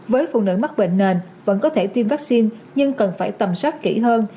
với phụ nữ mắc bệnh nền vẫn có thể tiêm vaccine nhưng cần phải tầm soát kỹ hơn